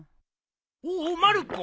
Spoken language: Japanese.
おおまる子